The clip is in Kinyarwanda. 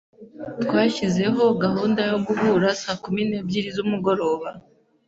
Twashyizeho gahunda yo guhura saa kumi n'ebyiri z'umugoroba.